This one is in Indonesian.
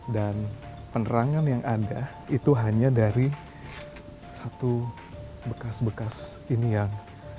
dan penerangan yang ada itu hanya dari satu bekas bekas ini yang